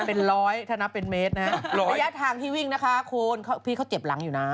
เป็นร้อยถ้านับเป็นเมตรนะฮะระยะทางที่วิ่งนะคะคุณพี่เขาเจ็บหลังอยู่นะ